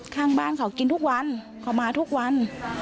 ข้างบ้านเขากินทุกวันเขามาทุกวัน